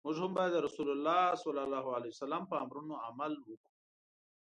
موږ هم باید د رسول الله ص په امرونو عمل وکړو.